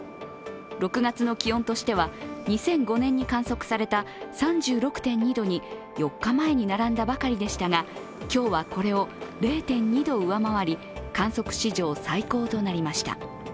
６月の気温としては２００５年に観測された３６．２度に４日前に並んだばかりでしたが、今日はこれを０．２度上回り観測史上最高となりました。